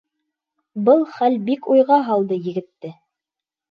Был хәл бик уйға һалды егетте.